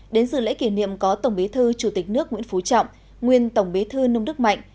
đến dự lễ kỷ niệm có tổng bí thư chủ tịch nước nguyễn phú trọng nguyên tổng bí thư nông đức mạnh